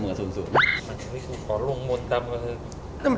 มันก็ไม่สูงต่อลงมนตร์ต่อไปเลย